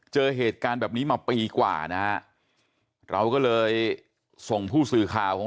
เจอเหตุการณ์แบบนี้มาปีกว่านะฮะเราก็เลยส่งผู้สื่อข่าวของ